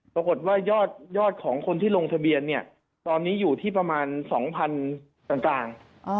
ปรากฏว่ายอดของคนที่ลงทะเบียนเนี่ยตอนนี้อยู่ที่ประมาณ๒๐๐๐ต่าง